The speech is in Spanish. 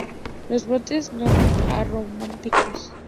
Los brotes no aromáticos.